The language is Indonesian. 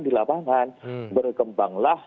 di lapangan berkembanglah